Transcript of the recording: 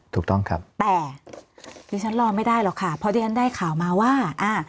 ถูกต้องครับแต่ดิฉันรอไม่ได้หรอกค่ะเพราะที่ฉันได้ข่าวมาว่าอ่า